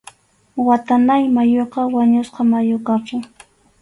Watanáy mayuqa wañusqa mayu kapun.